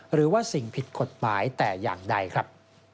หรือว่าสิ่งผิดกฎหมายแต่อย่างใดครับ